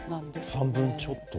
半分ちょっと。